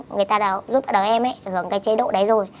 người ta đã giúp đỡ em ấy hưởng cái chế độ đấy rồi